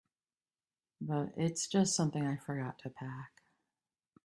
But it's just something I forgot to pack.